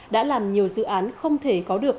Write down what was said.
đã làm nhiều dự án không thể có được